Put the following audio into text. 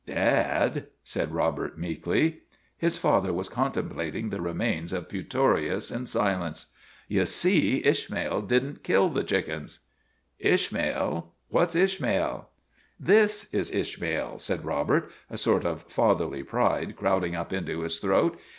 " Dad !" said Robert meekly. His father was contemplating the remains of Pu torius in silence. " You see Ishmael did n't kill the chickens." " Ishmael ? What 's Ishmael ?"" This is Ishmael," said Robert, a sort of fatherly pride crowding up into his throat.